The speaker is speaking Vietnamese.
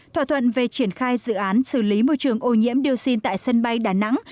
thỏa thuận về triển khai dự án xử lý môi trường ô nhiễm dioxin tại sân bay đà nẵng